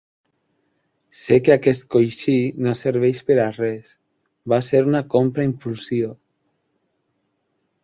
Sé que aquest coixí no serveix per a res, va ser una compra impulsiva.